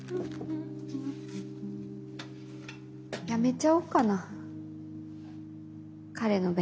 やめちゃおうかな彼の弁護。